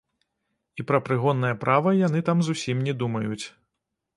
І пра прыгоннае права яны там зусім не думаюць.